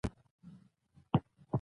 جګړه د انسان لپاره ستره غميزه ده